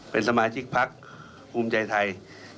เป็นสมาชิกพักภูมิใจไทย